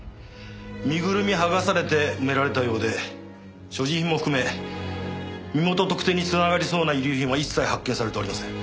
身ぐるみ剥がされて埋められたようで所持品も含め身元特定に繋がりそうな遺留品は一切発見されておりません。